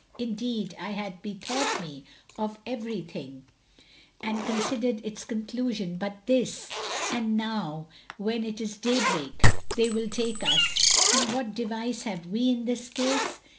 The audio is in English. Indeed, I had bethought me of every thing and considered its conclusion but this; and now, when it is daybreak, they will take us, and what device have we in this case?"